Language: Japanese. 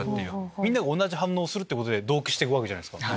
みんなが同じ反応をすることで同期して行くわけじゃないですか。